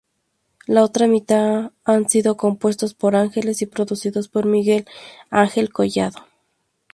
La otra mitad han sido compuestos por Ángeles y producidos por Miguel Ángel Collado.